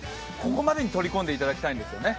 ここまでに取り込んでいただきたいんですよね。